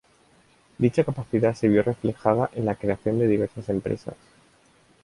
Dicha capacidad se vio reflejada en la creación de diversas empresas.